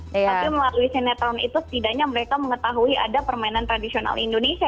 tapi melalui sinetron itu setidaknya mereka mengetahui ada permainan tradisional indonesia